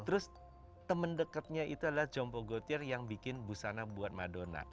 terus temen deketnya itu adalah jompo gotir yang bikin busana buat madona